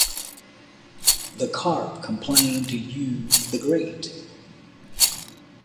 The carp complained to Yu the Great.